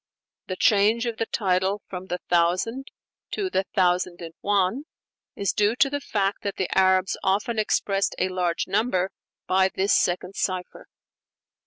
The change of the title from 'The Thousand' to 'The Thousand and One' is due to the fact that the Arabs often expressed "a large number" by this second cipher.